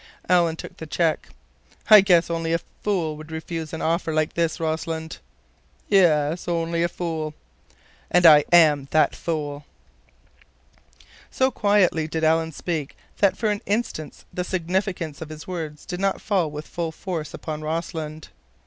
Alan took the check. "I guess only a fool would refuse an offer like this, Rossland." "Yes, only a fool." "And I am that fool." So quietly did Alan speak that for an instant the significance of his words did not fall with full force upon Rossland.